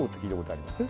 あります。